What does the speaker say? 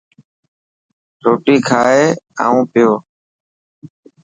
روٽي کائي اون پيو.